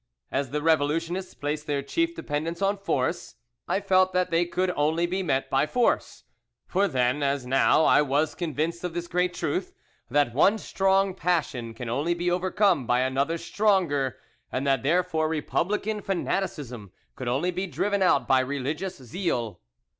"As the revolutionists placed their chief dependence on force, I felt that they could only be met by force; for then as now I was convinced of this great truth, that one strong passion can only be overcome by another stronger, and that therefore republican fanaticism could only be driven out by religious zeal.